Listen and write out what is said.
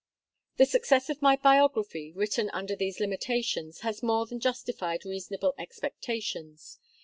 The success of my biography, written under these limitations, has more than justified reasonable expectations.